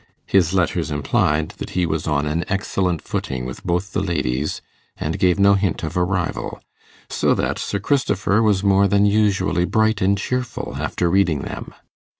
His letters implied that he was on an excellent footing with both the ladies, and gave no hint of a rival; so that Sir Christopher was more than usually bright and cheerful after reading them.